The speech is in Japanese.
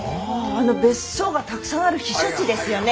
あの別荘がたくさんある避暑地ですよね？